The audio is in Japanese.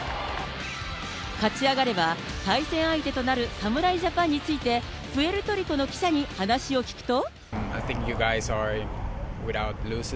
勝ち上がれば対戦相手となる侍ジャパンについて、プエルトリコの記者に話を聞くと。